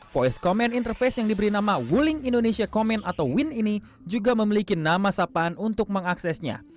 voice command interface yang diberi nama wuling indonesia command atau win ini juga memiliki nama sapaan untuk mengaksesnya